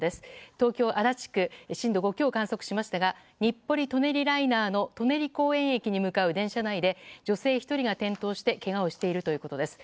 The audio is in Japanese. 東京・足立区震度５強を観測しましたが日暮里・舎人ライナーの舎人公園駅に向かう電車内で女性１人が転倒してけがをしているということです。